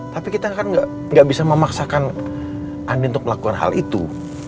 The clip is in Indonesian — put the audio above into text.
tapi kita kan gak bisa memaksakan andi untuk melakukan hal itu